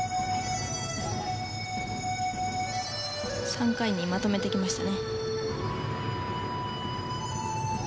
３回にまとめてきました。